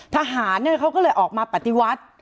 ทหารเนี่ยเขาก็เลยออกมาปฏิวัตส์